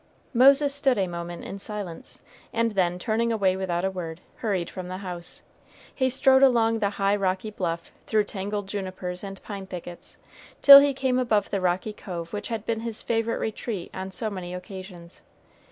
Moses stood a moment in silence, and then, turning away without a word, hurried from the house. He strode along the high rocky bluff, through tangled junipers and pine thickets, till he came above the rocky cove which had been his favorite retreat on so many occasions.